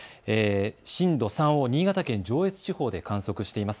震度３を新潟県上越地方で観測しています。